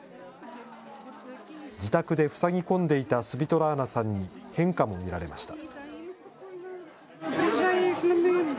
自宅でふさぎ込んでいたスヴィトラーナさんに、変化も見られました。